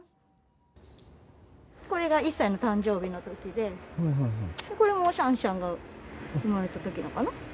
これが１歳の誕生日のときで、これもシャンシャンが生まれたときのかな。